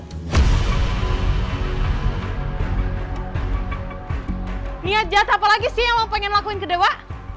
niat jahat apa lagi sih yang mau pengen lakuin ke dewa